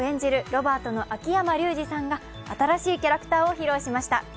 ロバートの秋山竜次さんが新しいキャラクターを披露しました。